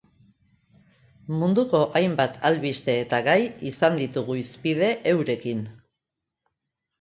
Munduko hainbat albsite eta gai izan ditugu hizpide eurekin.